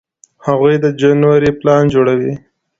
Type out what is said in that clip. هغوی د جنورۍ پلان جوړوي.